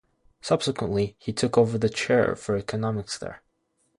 Subsequently, he took over the chair for economics there.